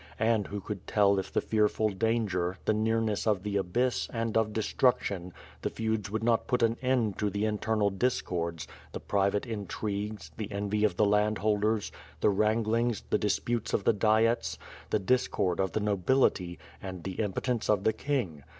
And who could tell if the fearful danger, the nearness of the abyss, and of destruction, the feuds would not put an end to the internal discords, the private intrigues, the envy of the landholders, the wranglings, the disputes of the Diets, the discord of the nobility, and the impotence of the king?